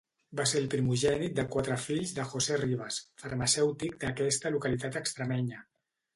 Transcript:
Va ser el primogènit de quatre fills de José Rivas, farmacèutic d'aquesta localitat extremenya.